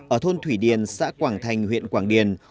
ở thôn thủy điền xã quảng thành huyện quảng điền